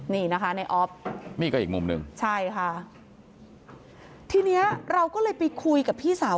นี่นะคะในออฟนี่ก็อีกมุมหนึ่งใช่ค่ะทีเนี้ยเราก็เลยไปคุยกับพี่สาว